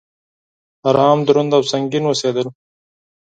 ارام، دروند او سنګين اوسيدل